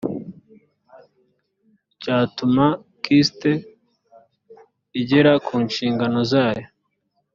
cyatuma kist igera ku nshingano zayo